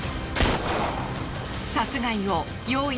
殺害を用意